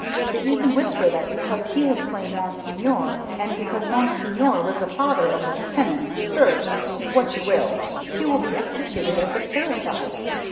They even whisper that because he has slain Monseigneur, and because Monseigneur was the father of his tenants serfs what you will he will be executed as a parricide.